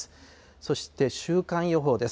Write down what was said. そして週間予報です。